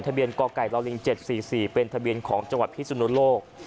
ทะเบียนกไก่ลาวริงเจ็ดสี่สี่เป็นทะเบียนของจังหวัดพิศุนโลก